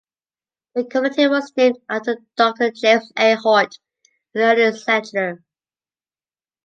The community was named after Doctor James A. Hoyt, an early settler.